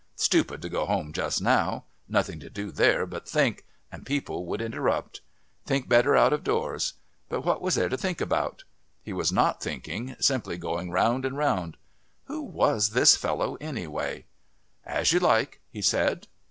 Stupid to go home just now nothing to do there but think, and people would interrupt.... Think better out of doors. But what was there to think about? He was not thinking, simply going round and round.... Who was this fellow anyway? "As you like," he said.